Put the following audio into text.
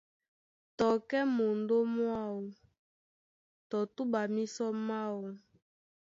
Tɔ kɛ́ mondó mwáō tɔ túɓa mísɔ máō.